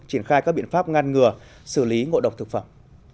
triển khai các biện pháp ngăn ngừa xử lý ngộ độc thực phẩm